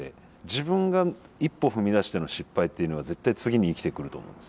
自分が一歩踏み出しての失敗っていうのは絶対次に生きてくると思うんですよ。